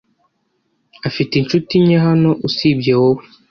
Afite inshuti nke hano usibye wowe.